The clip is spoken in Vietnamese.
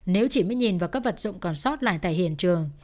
nếu chỉ mới nhìn vào các vật dụng còn sót lại tại hiện trường